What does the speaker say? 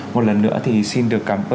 một lần nữa thì xin được cảm ơn luật sư